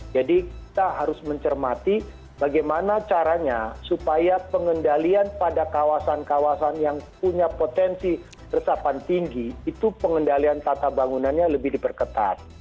jadi kita harus mencermati bagaimana caranya supaya pengendalian pada kawasan kawasan yang punya potensi resapan tinggi itu pengendalian tata bangunannya lebih diperketat